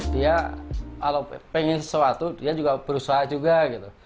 dia kalau pengen sesuatu dia juga berusaha juga gitu